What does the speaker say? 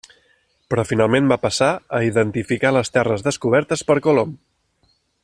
Però finalment va passar a identificar les terres descobertes per Colom.